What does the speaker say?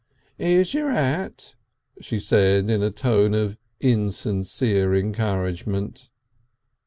"'Ere's your 'at," she said in a tone of insincere encouragement.